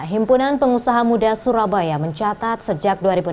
himpunan pengusaha muda surabaya mencatat sejak dua ribu enam belas